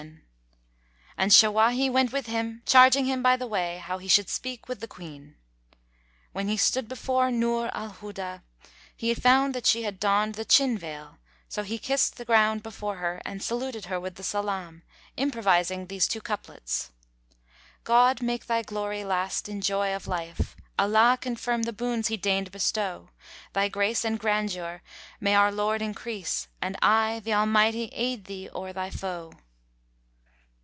"[FN#140] And Shawahi went with him charging him by the way how he should speak with the Queen. When he stood before Nur al Huda, he found that she had donned the chinveil[FN#141]; so he kissed ground before her and saluted her with the salam, improvising these two couplets, "God make thy glory last in joy of life; * Allah confirm the boons he deigned bestow: Thy grace and grandeur may our Lord increase * And aye Th' Almighty aid thee o'er thy foe!"